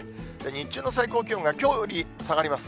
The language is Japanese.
日中の最高気温がきょうより下がります。